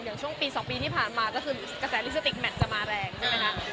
ช่วงปี๒ปีที่ผ่านมาก็คือกระแสลิสติกแมทจะมาแรงใช่ไหมคะ